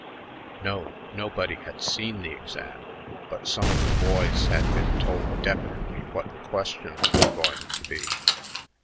No, nobody had seen the exam, but some of the boys had been told definitely what the questions were going to be.